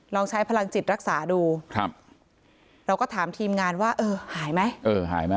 ลองใช้พลังจิตรักษาดูเราก็ถามทีมงานว่าเออหายไหม